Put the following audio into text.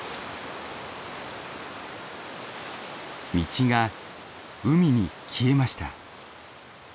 道が海に消えました。